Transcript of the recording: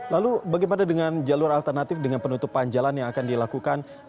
lalu bagaimana dengan jalur alternatif dengan penutupan jalan yang akan dilakukan